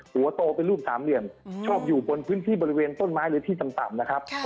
ตัวโตเป็นรูปสามเหลี่ยมชอบอยู่บนพื้นที่บริเวณต้นไม้หรือที่ต่ำนะครับ